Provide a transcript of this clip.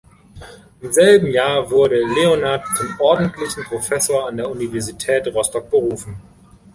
Im selben Jahr wurde Leonhardt zum ordentlichen Professor an der Universität Rostock berufen.